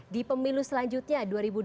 di pemilu selanjutnya dua ribu dua puluh